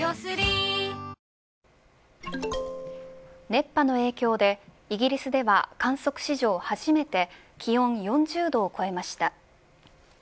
熱波の影響で、イギリスでは観測史上初めて気温４０度を超えました。